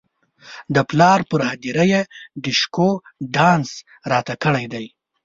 د پلار پر هدیره یې ډیشکو ډانس راته کړی دی.